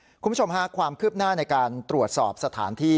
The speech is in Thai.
คุณผู้ชมค่ะความคืบหน้าในการตรวจสอบสถานที่